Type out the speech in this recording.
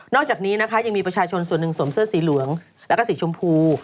อกจากนี้นะคะยังมีประชาชนส่วนหนึ่งสวมเสื้อสีเหลืองแล้วก็สีชมพู